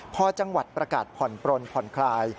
พอจังหวัดประกาศผ่อนปลนผ่อนคลาย